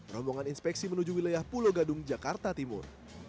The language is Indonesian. rombongan inspeksi menuju wilayah pulau gadung jakarta timur